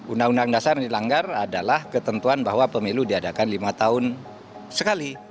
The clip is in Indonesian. undang undang dasar yang dilanggar adalah ketentuan bahwa pemilu diadakan lima tahun sekali